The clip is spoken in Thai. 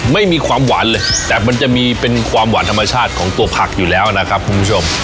ไม่มีความหวานเลยแต่มันจะมีเป็นความหวานธรรมชาติของตัวผักอยู่แล้วนะครับคุณผู้ชม